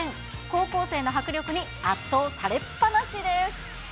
高校生の迫力に圧倒されっぱなしです。